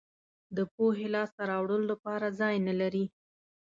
د پوهې لاسته راوړلو لپاره ځای نه لرئ.